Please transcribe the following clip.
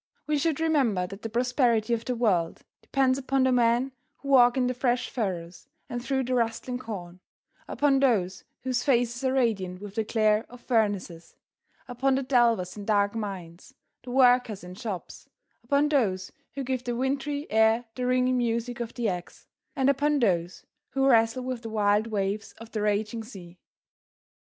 We should remember that the prosperity of the world depends upon the men who walk in the fresh furrows and through the rustling corn, upon those whose faces are radiant with the glare of furnaces, upon the delvers in dark mines, the workers in shops, upon those who give to the wintry air the ringing music of the axe, and upon those who wrestle with the wild waves of the raging sea.